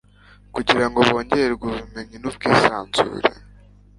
kugira ngo bongererwe ubumenyi n'ubwisanzure